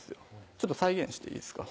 ちょっと再現していいですか？